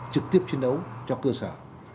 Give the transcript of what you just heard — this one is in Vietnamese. trực tiếp chiến đấu cho cơ sở